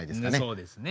そうですね。